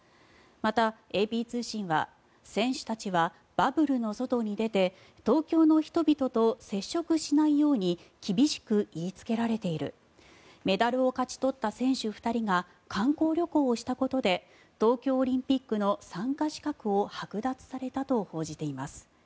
また、ＡＰ通信は選手たちはバブルの外に出て東京の人々と接触しないように厳しく言いつけられているメダルを勝ち取った選手２人が観光旅行をしたことで東京オリンピックの参加資格をはく奪されたと報じています。